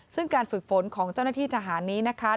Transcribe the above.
ซึ่งการฝึกฝนของเจ้าหน้าที่ทหารนี้นะคะ